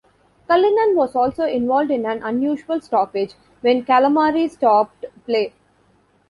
Cullinan was also involved in an unusual stoppage when 'calamari stopped play'.